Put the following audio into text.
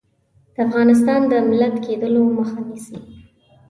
د افغانستان د ملت کېدلو مخه نیسي.